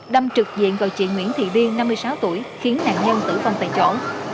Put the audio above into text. đâm trực diện vào chị nguyễn thị điên năm mươi sáu tuổi khiến nạn nhân tử văn tại chỗ